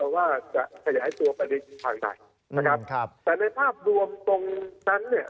ว่าจะขยายตัวประจิตข้างในนะครับแต่ในภาพรวมตรงนั้นเนี่ย